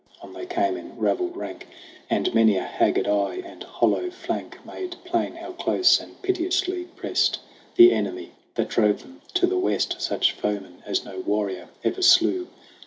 On they came in ravelled rank, And many a haggard eye and hollow flank Made plain how close and pitilessly pressed The enemy that drove them to the West Such foeman as no warrior ever slew.